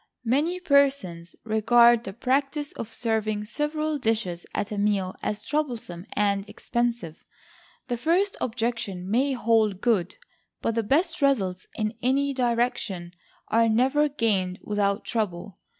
Many persons regard the practice of serving several dishes at a meal as troublesome and expensive. The first objection may hold good; but the best results in any direction are never gained without trouble.